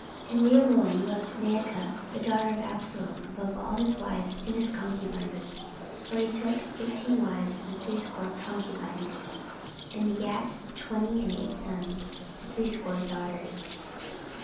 14:011:021 And Rehoboam loved Maachah the daughter of Absalom above all his wives and his concubines: (for he took eighteen wives, and threescore concubines; and begat twenty and eight sons, and threescore daughters.)